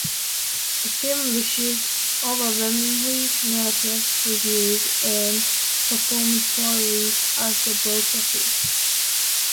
The film received overwhelmingly negative reviews and performed poorly at the box office.